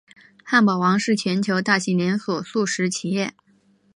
汉堡王是全球大型连锁速食企业。